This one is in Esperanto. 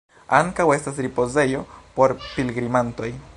Ankaŭ estas ripozejo por pilgrimantoj.